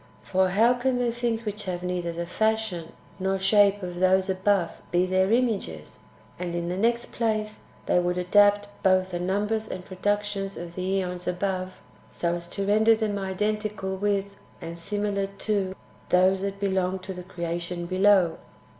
For how can the things which have neither the fashion nor shape of those [above] be their images ? And, in the next place, they would adapt both the numbers and pro ductions of the zEons above, so as to render them identical with and similar to those that belong to the creation [below].